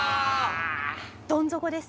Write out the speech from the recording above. どん底です。